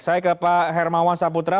saya ke pak hermawan saputra